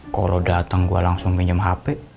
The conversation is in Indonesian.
kalau datang gue langsung pinjam hp